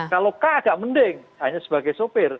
kalau k agak mending hanya sebagai sopir